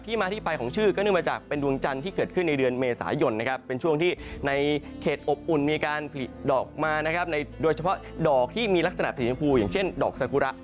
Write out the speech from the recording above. มาที่ไปของชื่อก็เนื่องมาจากเป็นดวงจันทร์ที่เกิดขึ้นในเดือนเมษายนนะครับเป็นช่วงที่ในเขตอบอุ่นมีการผลิดอกมานะครับโดยเฉพาะดอกที่มีลักษณะสีชมพูอย่างเช่นดอกสกุระ